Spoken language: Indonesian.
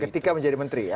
ketika menjadi menteri ya